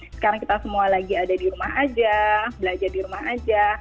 sekarang kita semua lagi ada di rumah aja belajar di rumah aja